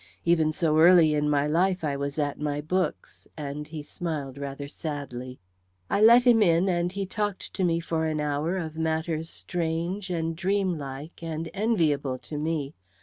Even so early in my life I was at my books," and he smiled rather sadly. "I let him in and he talked to me for an hour of matters strange and dreamlike, and enviable to me.